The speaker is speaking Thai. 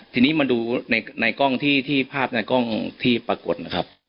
ทีนี้มาดูในกล้องที่ภาพในกล้องที่ปรากฏนะครับ